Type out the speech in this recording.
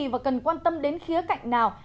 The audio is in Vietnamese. và cần quan tâm đến khía cạnh nào